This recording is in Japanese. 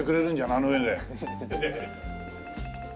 あの上で。